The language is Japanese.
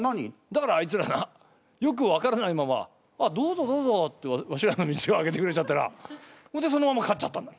だからあいつらなよく分からないまま「あっどうぞどうぞ」ってわしらの道を空けてくれちゃってなそれでそのまま勝っちゃったんだ。